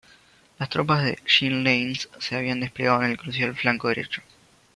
Las tropas de Jean Lannes se habían desplegado en el crucial flanco derecho.